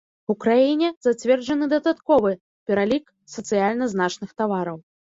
У краіне зацверджаны дадатковы пералік сацыяльна значных тавараў.